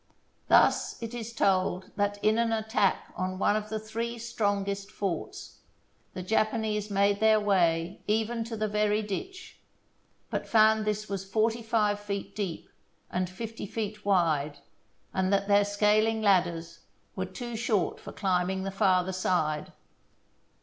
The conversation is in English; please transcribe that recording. Thus it is told that in an attack on one of the three strong est forts, the Japanese made their way even to the very ditch, but found this was forty five feet deep and fifty feet wide, and that their scaling ladders were too short for climbing the farther side.